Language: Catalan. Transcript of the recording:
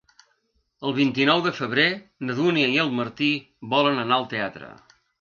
El vint-i-nou de febrer na Dúnia i en Martí volen anar al teatre.